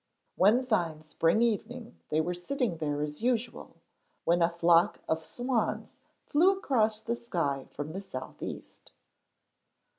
] One fine spring evening they were sitting there as usual, when a flock of swans flew across the sky from the south east.